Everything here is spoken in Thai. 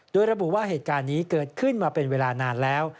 โดยระบุว่าเหตุการณ์นี้เกิดขึ้นมาเป็นเวลานานแล้ว